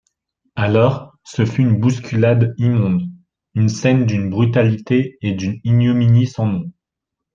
Alors, ce fut une bousculade immonde, une scène d'une brutalité et d'une ignominie sans nom.